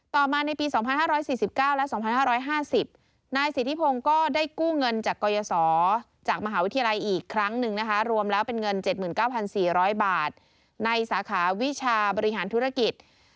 ต่อมาในปี๒๕๔๙และ๒๕๕๐นายสิทธิพงศ์ก็ได้กู้เงินจากกรยศจากมหาวิทยาลัยอีกครั้งหนึ่งนะคะรวมแล้วเป็นเงิน๗๙๔๐๐บาทในสาขาวิชาบริหารธุรกิจ